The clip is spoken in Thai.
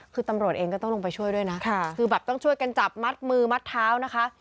คือตำรวจเองก็ต้องลงไปช่วยด้วยนะคือแบบต้องช่วยกันจับมัดมือมัดเท้านะคะ